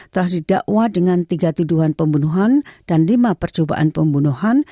telah didakwa dengan tiga tuduhan pembunuhan dan lima percobaan pembunuhan